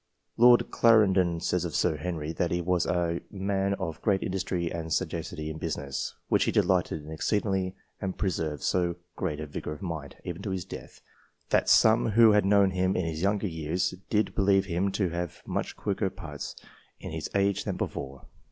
Lord Clarendon says of Sir Henry, that he was " a man of great industry and sagacity in business, which he delighted in exceedingly ; and preserved so great a vigour of mind, even to his death, that some who had known him in his younger years did believe him to have much quicker parts in his age than before."